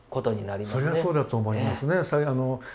そりゃそうだと思いますね。